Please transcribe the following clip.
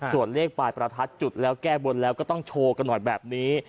ส่วนเลขปลายประทัดจุดแล้วแก้บนแล้วก็ต้องโชว์กันหน่อยแบบนี้